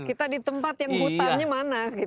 kita di tempat yang hutannya mana